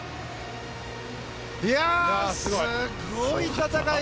すごい戦い！